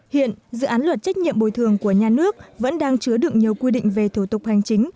hiện dự án luật trách nhiệm bồi thường của nhà nước vẫn đang chứa đựng nhiều quy định về thủ tục hành chính